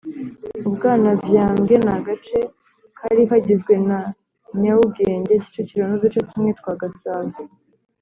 Ubwanavyambwe Ni agace kari kagizwe na Nyaugenge, Kicukiro n’uduce tumwe twa Gasabo